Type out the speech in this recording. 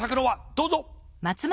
どうぞ。